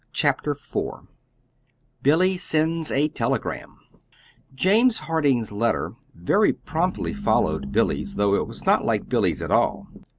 CHAPTER IV BILLY SENDS A TELEGRAM James Harding's letter very promptly followed Billy's, though it was not like Billy's at all.